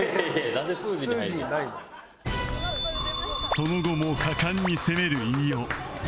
その後も果敢に攻める飯尾